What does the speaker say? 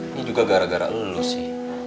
ini juga gara gara lulus sih